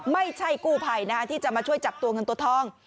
ไม่ใช่กู้ภัยที่จะมาช่วยจับตัวเงินตัวทอง